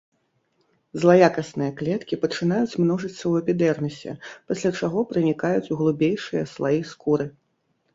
Злаякасныя клеткі пачынаюць множыцца ў эпідэрмісе, пасля чаго пранікаюць у глыбейшыя слаі скуры.